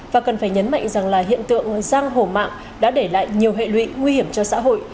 và cần phải nhấn mạnh rằng là hiện tượng giang hổ mạng đã để lại nhiều hệ lụy nguy hiểm cho xã hội